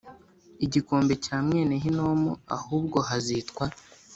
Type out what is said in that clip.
igikombe cya mwene Hinomu ahubwo hazitwa